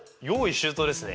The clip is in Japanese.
周到ですね。